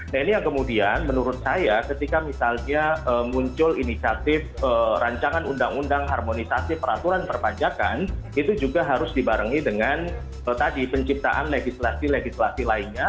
nah ini yang kemudian menurut saya ketika misalnya muncul inisiatif rancangan undang undang harmonisasi peraturan perpajakan itu juga harus dibarengi dengan tadi penciptaan legislasi legislasi lainnya